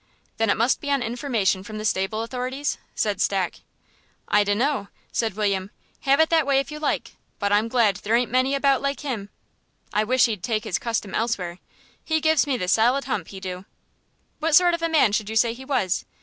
"Then it must be on information from the stable authorities?" said Stack. "I dun know," said William; "have it that way if you like, but I'm glad there ain't many about like him. I wish he'd take his custom elsewhere. He gives me the solid hump, he do." "What sort of man should you say he was?